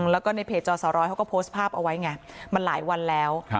แล้วก็ในเพจจสร้อยเขาก็โพสต์ภาพเอาไว้ไงมันหลายวันแล้ว